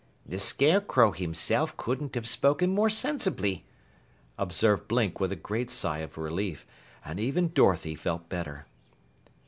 "The Scarecrow himself couldn't have spoken more sensibly," observed Blink with a great sigh of relief, and even Dorothy felt better.